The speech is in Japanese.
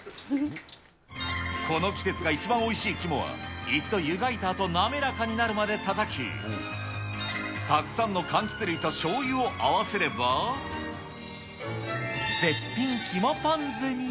この季節が一番おいしい肝は、一度湯がいたあと、滑らかになるまでたたき、たくさんのかんきつ類としょうゆを合わせれば、絶品肝ポン酢に。